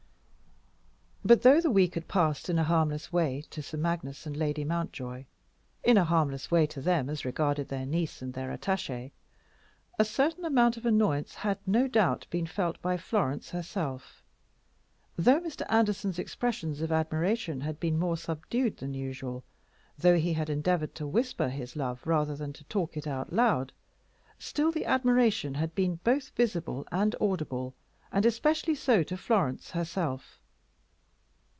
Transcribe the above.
But though the week had passed in a harmless way to Sir Magnus and Lady Mountjoy, in a harmless way to them as regarded their niece and their attaché, a certain amount of annoyance had, no doubt, been felt by Florence herself. Though Mr. Anderson's expressions of admiration had been more subdued than usual, though he had endeavored to whisper his love rather than to talk it out loud, still the admiration had been both visible and audible, and especially so to Florence herself.